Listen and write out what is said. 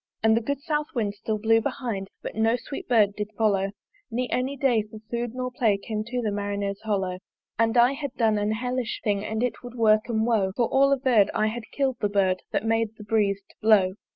And the good south wind still blew behind, But no sweet Bird did follow Ne any day for food or play Came to the Marinere's hollo! And I had done an hellish thing And it would work 'em woe: For all averr'd, I had kill'd the Bird That made the Breeze to blow.